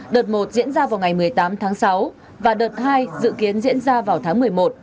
đợt một diễn ra vào ngày một mươi tám tháng sáu và đợt hai dự kiến diễn ra vào tháng một mươi một